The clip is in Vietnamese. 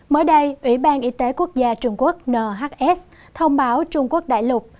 mới đây ủy ban y tế quốc gia trung quốc nhs thông báo trung quốc đại lục